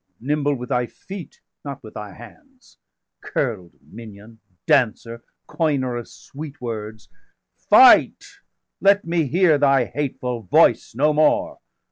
nimble with thy feet, not with thy hands! Curl'd minion, dancer, coiner of sweet words! Fight, let me hear thy hateful voice no more!